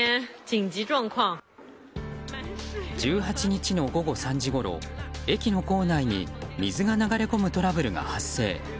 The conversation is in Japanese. １８日の午後３時ごろ駅の構内に水が流れ込むトラブルが発生。